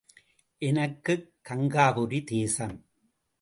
எனக்குக் கங்காபுரி தேசம்.